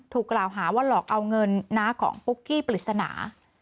ถูกกล่าวหาว่าหลอกเอาเงินน้าของปุ๊กกี้ปริศนา